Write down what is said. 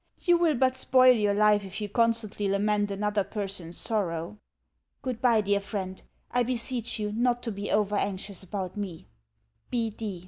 You will but spoil your life if you constantly lament another person's sorrow. Goodbye, dear friend. I beseech you not to be over anxious about me.